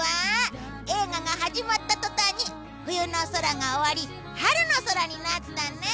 映画が始まった途端に冬の空が終わり春の空になったね！